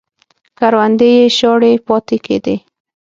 کروندې یې شاړې پاتې کېدې